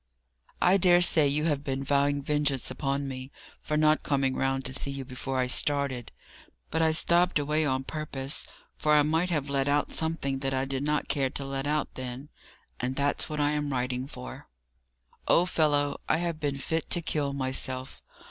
"I dare say you have been vowing vengeance upon me, for not coming round to see you before I started; but I stopped away on purpose, for I might have let out something that I did not care to let out then; and that's what I am writing for." "Old fellow, I have been fit to kill myself.